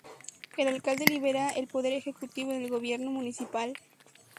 El alcalde lidera el poder ejecutivo del gobierno municipal.